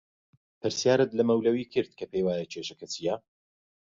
پرسیارت لە مەولەوی کرد کە پێی وایە کێشەکە چییە؟